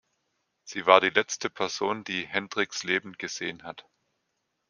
Sie war die letzte Person, die Hendrix lebend gesehen hat.